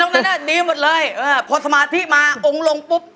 แต่น้องด้านหน้าดีหมดเลยพอสมาธิมาองค์ลงปุ๊บ